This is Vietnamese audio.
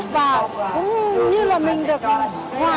và cũng như là mình được hòa chung với các cô